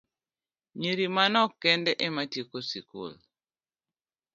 Nyiri manok kende ema tieko skul.